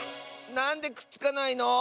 なんでくっつかないの？